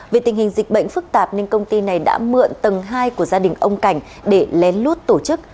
vì tình hình dịch bệnh phức tạp nên công ty này đã mượn tầng hai của gia đình ông cảnh để lén lút tổ chức